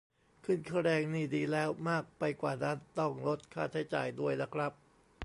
ขึ้นค่าแรงนี่ดีแล้ว มากไปกว่านั้นต้องลดค่าใช้จ่ายด้วยน่ะครับ